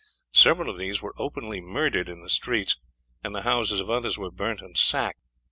Several of these were openly murdered in the streets, and the houses of others were burnt and sacked.